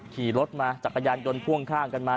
ขี่รถมาจักรยานยนต์พ่วงข้างกันมา